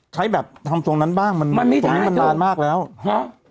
ใช้แบบทำทรงนั้นบ้างมันมันไม่ตรงนี้มันนานมากแล้วฮะ